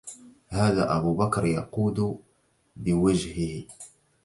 هذا أبو بكر يقود بوجهه